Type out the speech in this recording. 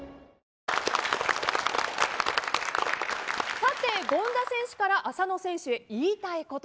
さて権田選手から浅野選手へ言いたいこと。